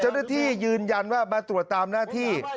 เจ้าหน้าที่ยืนยันว่ามาตรวจตามหน้าที่